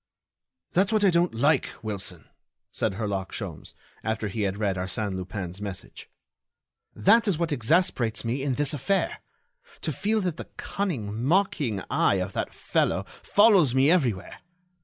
"That's what I don't like, Wilson," said Herlock Sholmes, after he had read Arsène Lupin's message; "that is what exasperates me in this affair—to feel that the cunning, mocking eye of that fellow follows me everywhere.